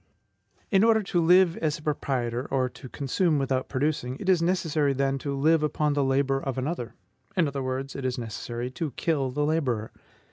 In order to live as a proprietor, or to consume without producing, it is necessary, then, to live upon the labor of another; in other words, it is necessary to kill the laborer.